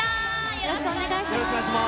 よろしくお願いします。